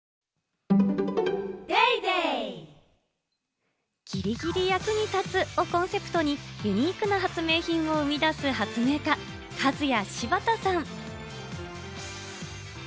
わかるぞギリギリ役に立つをコンセプトに、ユニークな発明品を生み出す発明家・カズヤシバタさん。